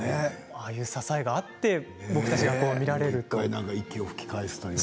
ああいう支えがあって僕たちが見られるんですね。